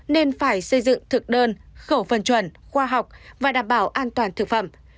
nên phải xây dựng thực đơn khẩu phần chuẩn khoa học và đảm bảo an toàn thực phẩm